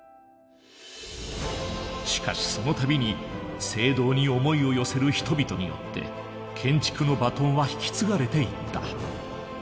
しかしその度に聖堂に思いを寄せる人々によって建築のバトンは引き継がれていった。